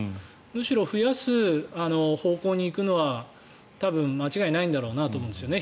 むしろ増やす方向に行くのは多分間違いないんだろうなと思うんですよね。